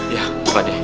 iya pak d